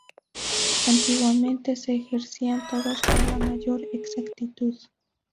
Antiguamente se ejercían todos con la mayor exactitud.